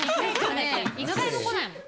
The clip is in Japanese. １回も来ないもん。